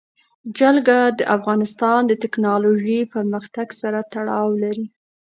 جلګه د افغانستان د تکنالوژۍ پرمختګ سره تړاو لري.